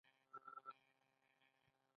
کدو ولې لوی وي؟